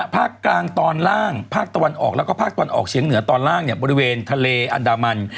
ภาคกลางตอนล่างภาคตะวันออกแล้วก็ภาคตะวันออกเฉียงเหนือตอนล่างเนี่ยบริเวณทะเลอันดามัน